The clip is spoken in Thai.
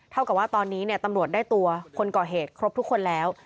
เท่ากับว่าตอนนี้ตำรวจได้ตัวคนก่อเหตุครบทุกคนแล้ว